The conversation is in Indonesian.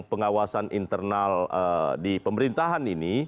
pengawasan internal di pemerintahan ini